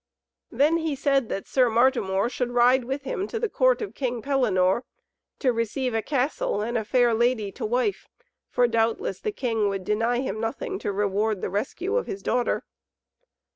Then he said that Sir Martimor should ride with him to the court of King Pellinore, to receive a castle and a fair lady to wife, for doubtless the King would deny him nothing to reward the rescue of his daughter.